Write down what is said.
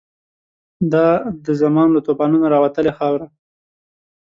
دا د زمان له توپانونو راوتلې خاوره